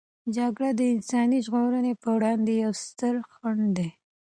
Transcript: جګړه د انساني ژغورنې په وړاندې یوې سترې خنډ دی.